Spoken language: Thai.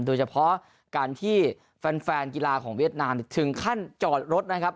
โดยเฉพาะการที่แฟนกีฬาของเวียดนามถึงขั้นจอดรถนะครับ